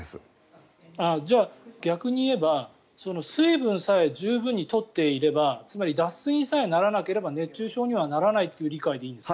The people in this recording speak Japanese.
逆に言えば水分さえ十分とっていればつまり脱水にさえならなければ熱中症にはならないという理解でいいんですか？